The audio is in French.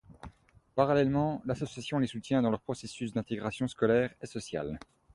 Parallèlement, l’association les soutient dans leur processus d’intégration scolaire et sociale.